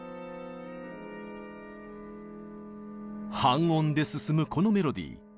半音で進むこのメロディー。